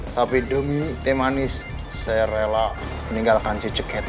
tapi demi teh manis saya rela meninggalkan si ceket